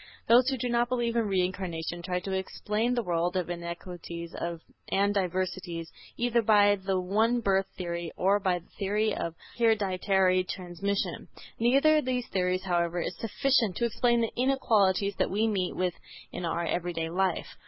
Those who do not believe in Reincarnation try to explain the world of inequalities and diversities either by the one birth theory or by the theory of hereditary transmission. Neither of these theories, however, is sufficient to explain the inequalities that we meet with in our everyday life.